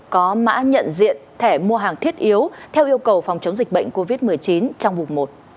có mã nhận diện thẻ mua hàng thiết yếu theo yêu cầu phòng chống dịch bệnh covid một mươi chín trong mục một